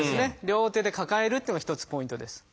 両手で抱えるっていうのが一つポイントです。